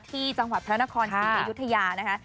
ที่จังหวัดพระนครศรีอยุธยานะคะ